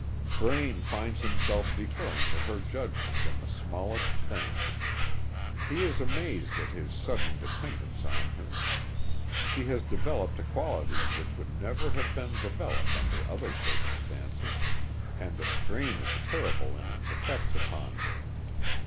Braine finds himself deferring to her judgment in the smallest thing. He is amazed at his sudden dependence on her. She has developed a quality which would never have been developed under other circumstances, and the strain is terrible in its effects upon her.